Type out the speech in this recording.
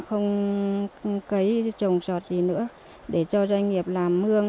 không cấy trồng trọt gì nữa để cho doanh nghiệp làm mương